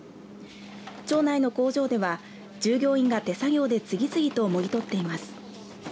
町内の工場では従業員が手作業で次々と、もぎ取っています。